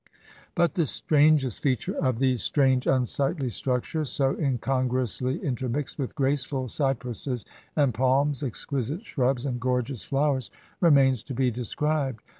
But the strangest feature in these strange, unsightly * About $97,500. 238 THE TOWERS OF SILENCE structures, so incongruously intermixed with graceful cypresses and palms, exquisite shrubs, and gorgeous flowers, remains to be described.